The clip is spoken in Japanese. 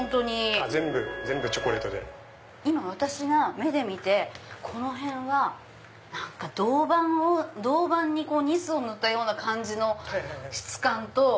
今私が目で見てこの辺は銅板にニスを塗ったような感じの質感と。